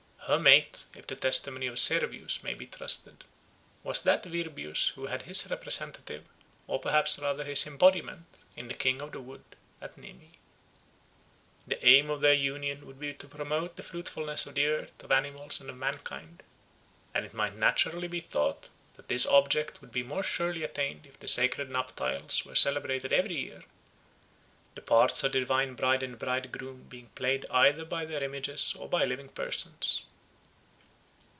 Her mate, if the testimony of Servius may be trusted, was that Virbius who had his representative, or perhaps rather his embodiment, in the King of the Wood at Nemi. The aim of their union would be to promote the fruitfulness of the earth, of animals, and of mankind; and it might naturally be thought that this object would be more surely attained if the sacred nuptials were celebrated every year, the parts of the divine bride and bridegroom being played either by their images or by living persons.